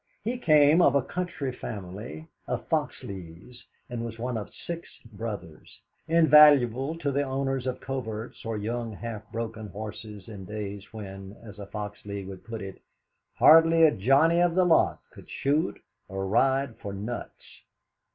He came of a county family of Foxleighs, and was one of six brothers, invaluable to the owners of coverts or young, half broken horses in days when, as a Foxleigh would put it, "hardly a Johnny of the lot could shoot or ride for nuts."